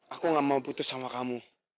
aku gak mau putus sama kamu